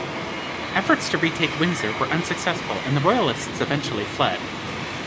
Efforts to retake Windsor were unsuccessful and the royalists eventually fled.